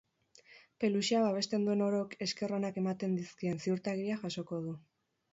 Peluxea babesten duen orok esker onak ematen dizkien ziurtagiria jasoko du.